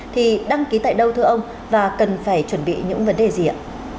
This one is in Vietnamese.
thì đăng ký tại đâu thưa ông và cần phải chuẩn bị những vấn đề gì ạ